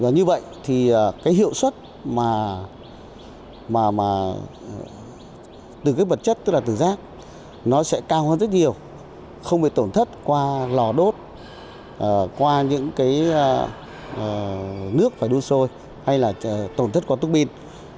như vậy thì hiệu suất từ vật chất tức là từ rác nó sẽ cao hơn rất nhiều không bị tổn thất qua lò đốt qua những nước phải đun sôi hay là tổn thất qua túc pin